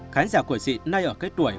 khán giả của chị nay ở cái tuổi